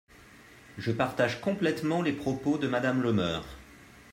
Je partage complètement les propos de Madame Le Meur.